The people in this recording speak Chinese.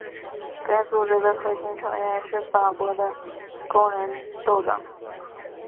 该组织的核心成员是法国的工人斗争。